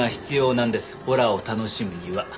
ホラーを楽しむには。